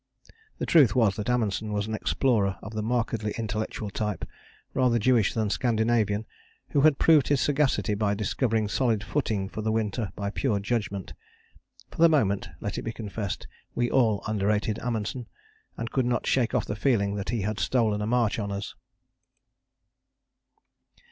The truth was that Amundsen was an explorer of the markedly intellectual type, rather Jewish than Scandinavian, who had proved his sagacity by discovering solid footing for the winter by pure judgment. For the moment, let it be confessed, we all underrated Amundsen, and could not shake off the feeling that he had stolen a march on us.